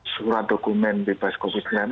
surat dokumen bebas covid sembilan belas